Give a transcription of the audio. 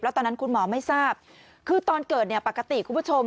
ตอนนั้นคุณหมอไม่ทราบคือตอนเกิดเนี่ยปกติคุณผู้ชม